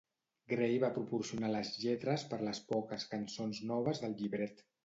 Grey va proporcionar les lletres per les poques cançons noves del llibret.